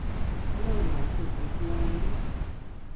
No one could be blamed.